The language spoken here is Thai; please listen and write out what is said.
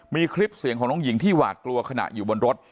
มีคลิปเสียงของน้องหญิงที่หวาดกลัวขณะอยู่บนรถ